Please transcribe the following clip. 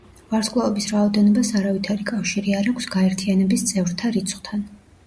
ვარსკვლავების რაოდენობას არავითარი კავშირი არ აქვს გაერთიანების წევრთა რიცხვთან.